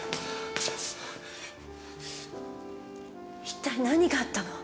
一体何があったの？